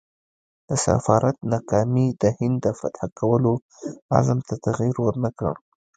د سفارت ناکامي د هند د فتح کولو عزم ته تغییر ورنه کړ.